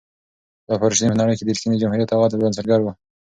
خلفای راشدین په نړۍ کې د رښتیني جمهوریت او عدل بنسټګر وو.